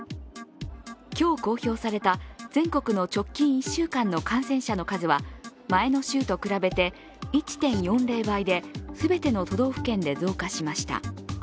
今日公表された全国の直近１週間の感染者の数は前の週と比べて１．４０倍で全ての都道府県で増加しました。